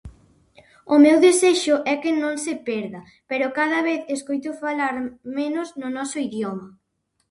O meu desexo é que non se perda, pero cada vez escoito falar menos no noso idioma.